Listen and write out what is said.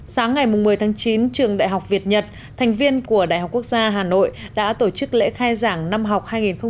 sáng ngày một mươi tháng chín trường đại học việt nhật thành viên của đại học quốc gia hà nội đã tổ chức lễ khai giảng năm học hai nghìn một mươi tám hai nghìn một mươi chín